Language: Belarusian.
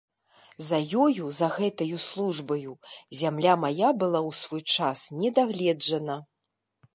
За ёю, за гэтаю службаю, зямля мая была ў свой час не дагледжана.